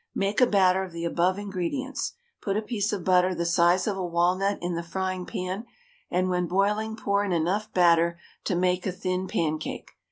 Make a batter of the above ingredients. Put a piece of butter the size of a walnut in the frying pan, and when boiling pour in enough batter to make a thin pancake.